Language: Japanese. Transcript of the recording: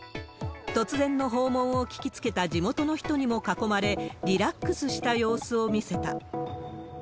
突然の訪問を聞きつけた地元の人にも囲まれ、リラックスした様子を見せた。